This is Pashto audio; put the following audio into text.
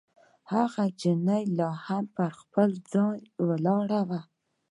هغه نجلۍ لا هم پر خپل ځای ولاړه وه.